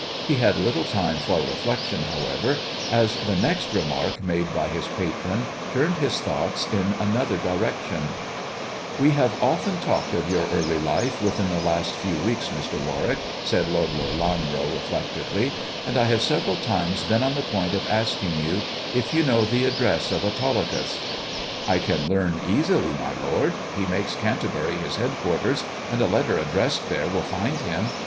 He had little time for reflection, however, as the next remark made by his patron turned his thoughts in another direction. THE dwarf's chamber 87 "We have often talked of your early life within the last few weeks, Mr. Warwick," said Lord Lelanro reflect ively, "and I have several times been on the point of asking you if you know the address of Autolycus]" " I can learn easily, my lord. He makes Canterbury his headquarters, and a letter addressed there will And him.